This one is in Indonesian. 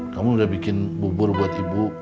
kamu udah bikin bubur buat ibu